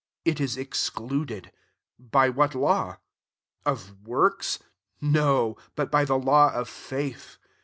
It is excluded. By what law ? Of works? No: but by the law of faith.